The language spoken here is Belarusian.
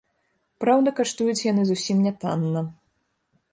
Праўда, каштуюць яны зусім нятанна.